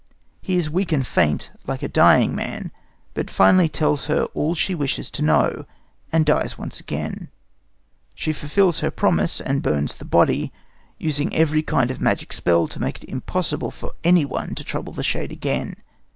He is weak and faint, like a dying man, but finally tells her all she wishes to know, and dies once again. She fulfills her promise and burns the body, using every kind of magic spell to make it impossible for anyone to trouble the shade again.